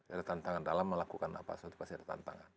ada tantangan dalam melakukan apa